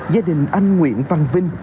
gia đình anh nguyễn văn vinh